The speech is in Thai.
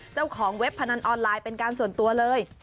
เว็บพนันออนไลน์เป็นการส่วนตัวเลย